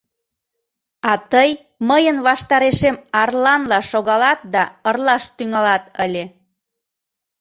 А тый мыйын ваштарешем арланла шогалат да ырлаш тӱҥалат ыле.